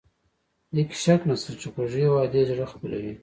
دې کې شک نشته چې خوږې وعدې زړه خپلوي.